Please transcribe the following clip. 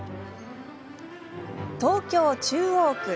東京・中央区。